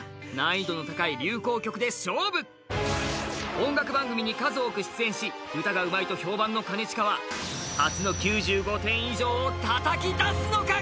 音楽番組に数多く出演し歌がうまいと評判の兼近は初の９５点以上をたたき出すのか！？